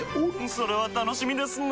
それは楽しみですなぁ。